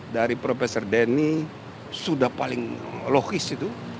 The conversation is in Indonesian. dari profesor denny sudah paling logis itu